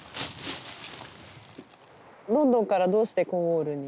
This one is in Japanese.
ロンドンからどうしてコーンウォールに？